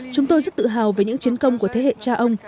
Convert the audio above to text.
chúng tôi rất tự hào về những chiến công của thế hệ cha ông